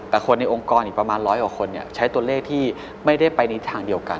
แต่คนในองค์กรอีกประมาณร้อยกว่าคนใช้ตัวเลขที่ไม่ได้ไปในทางเดียวกัน